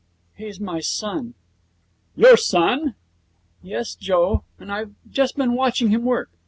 'He's my son.' 'Your son?' 'Yes, Joe. And I've just been watching him work.